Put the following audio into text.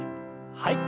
はい。